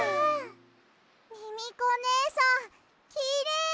ミミコねえさんきれい！